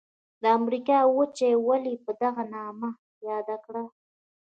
د امریکا وچه یې ولي په دغه نامه یاده کړه؟